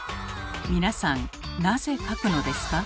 皆さんなぜかくのですか？